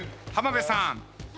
浜辺さん。